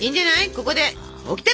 ここでオキテ！